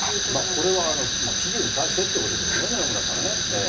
これは企業に対してっていうことでしょうけどね、野村さんね。